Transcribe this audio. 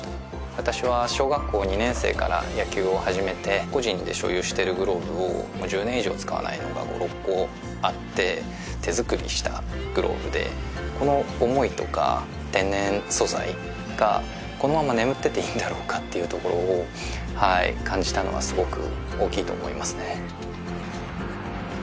私は小学校２年生から野球を始めて個人で所有しているグローブを１０年以上使わないのが５６個あって手作りしたグローブでこの思いとか天然素材がこのまま眠ってていいのだろうかっていうところをはい感じたのはすごく大きいと思いますね